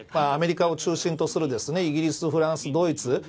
アメリカを中心とするイギリス、フランス、ドイツ